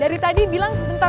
dari tadi bilang sebentar